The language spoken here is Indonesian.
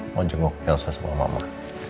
mau jenguk elsa sama mama